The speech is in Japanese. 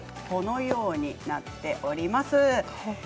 このようになっております。